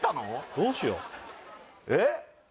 どうしようえっ？